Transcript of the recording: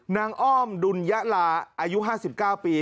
อ้อมดุลยะลาอายุ๕๙ปี